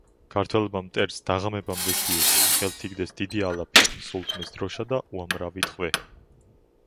ქართველებმა მტერს დაღამებამდე სდიეს, ხელთ იგდეს დიდი ალაფი, სულთნის დროშა და უამრავი ტყვე.